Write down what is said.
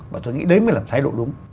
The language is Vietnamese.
và tôi nghĩ đấy mới là thái độ đúng